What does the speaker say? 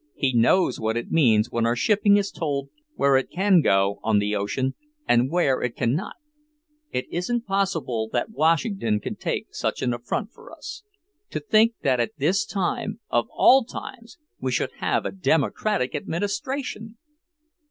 He knows what it means when our shipping is told where it can go on the ocean, and where it cannot. It isn't possible that Washington can take such an affront for us. To think that at this time, of all times, we should have a Democratic administration!"